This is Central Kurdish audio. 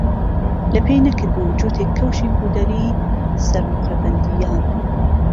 لهپێی نهکردبوو جووتێک کەوشی کودەری سەر نوقره بهندییه